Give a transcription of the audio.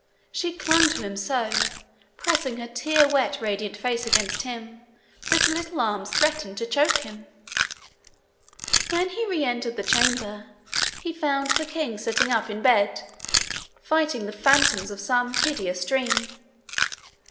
She clung to him so, pressing her tear wet radiant face against his, that her little arms threatened to choke him. When he re entered the chamber, he found the king sitting up in bed, fighting the phantoms of some hideous dream.